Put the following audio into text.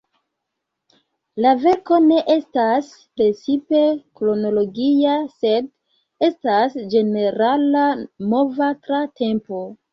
La verko ne estas precize kronologia, sed estas ĝenerala movo tra tempo.